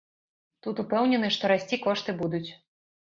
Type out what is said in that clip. Тут упэўнены, што расці кошты будуць.